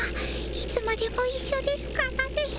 いつまでもいっしょですからね。